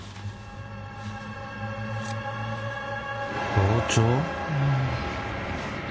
包丁。